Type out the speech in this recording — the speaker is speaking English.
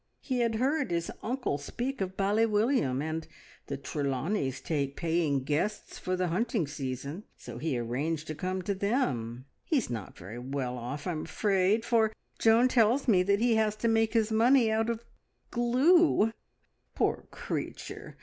He had heard his uncle speak of Bally William, and the Trelawneys take paying guests for the hunting season, so he arranged to come to them. He is not very well off, I'm afraid, for Joan tells me that he has to make his money out of glue, poor creature!